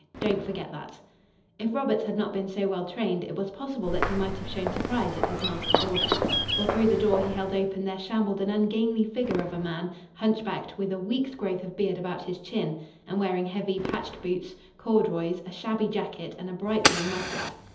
Don't forget that." If Roberts had not been so well trained it was possible that he might have shown surprise at his master's order. For through the door he held open there shambled an ungainly figure of a man, hunchbacked, with a week's growth of beard about his chin, and wearing heavy, patched boots, corduroys, a shabby jacket and a bright blue muffler.